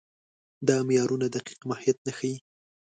دا معیارونه دقیق ماهیت نه ښيي.